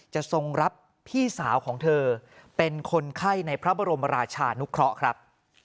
ทรงรับพี่สาวของเธอเป็นคนไข้ในพระบรมราชานุเคราะห์ครับ